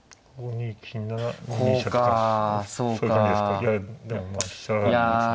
いやでもまあ飛車があるんですね。